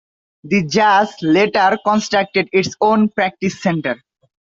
The Jazz later constructed its own practice center.